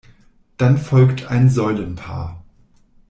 Dann folgt ein Säulenpaar.